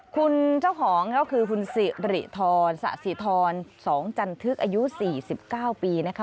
คุณเจ้าของก็คือคุณสิริธรสะสิทร๒จันทึกอายุ๔๙ปีนะคะ